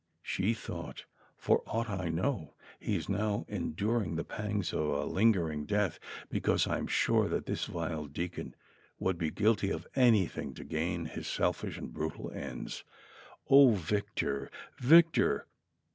She thought : 'Tor aught I know, he is now enduring tlie pangs of a lingering death ; because I am sure^ this vile deacon would be guilty of anything to gain his selfish and brutal ends. Oh, Victor! Victor!